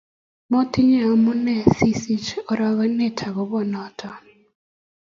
Metinye amune sisich orokenet akopo noto